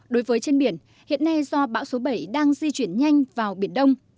đối với trên biển hiện nay do bão số bảy đang di chuyển nhanh vào biển đông